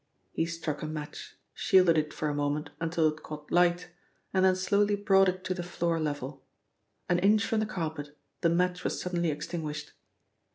He struck a match, shielded it for a moment until it caught light, and then slowly brought it to the floor level. An inch from the carpet the match was suddenly extinguished.